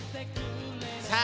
さあ